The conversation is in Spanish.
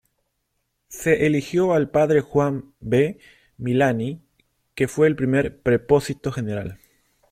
Se eligió al padre Juan B. Milani, que fue el primer prepósito general.